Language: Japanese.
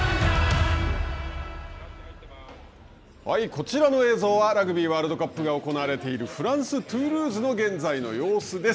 こちらの映像はラグビーワールドカップが行われているフランス・トゥールーズの現在の様子です。